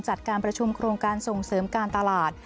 จัดการประชุมโครงการส่งเสริมการตลาด